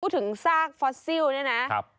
ถึงซากฟอสซิลเนี่ยนะ